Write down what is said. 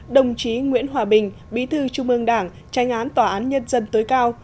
đồng chí nguyễn hòa bình bí thư trung ương đảng tranh án tòa án nhân dân tối cao